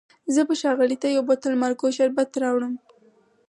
زه به ښاغلي ته یو بوتل مارګو شربت درته راوړم.